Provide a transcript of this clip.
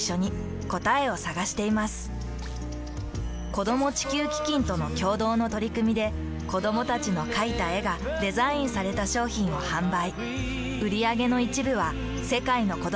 子供地球基金との共同の取り組みで子どもたちの描いた絵がデザインされた商品を販売。